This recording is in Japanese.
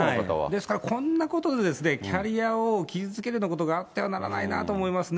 ですからこんなことでキャリアを傷つけるようなことがあってはならないなと思いますね。